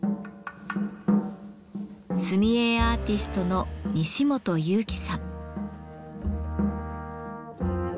墨絵アーティストの西元祐貴さん。